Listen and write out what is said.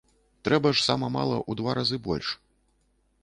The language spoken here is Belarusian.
Трэба ж сама мала ў два разы больш.